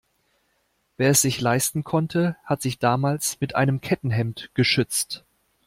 Wer es sich leisten konnte, hat sich damals mit einem Kettenhemd geschützt.